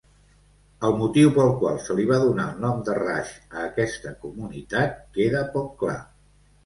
El motiu pel qual se li va donar el nom de Rush a aquesta comunitat queda poc clar.